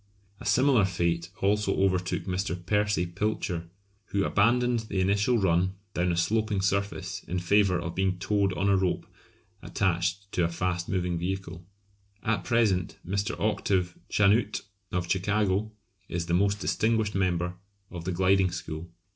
A similar fate also overtook Mr. Percy Pilcher, who abandoned the initial run down a sloping surface in favour of being towed on a rope attached to a fast moving vehicle. At present Mr. Octave Chanute, of Chicago, is the most distinguished member of the "gliding" school.